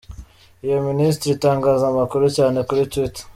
Iyi Minisiteri itangaza amakuru cyane kuri Twitter.